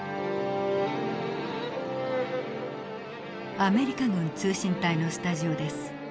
アメリカ軍通信隊のスタジオです。